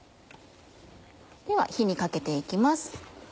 では火にかけて行きます。